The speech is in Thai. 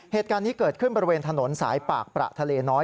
เหตุการณ์นี้เกิดขึ้นบริเวณถนนสายปากประทะเลน้อย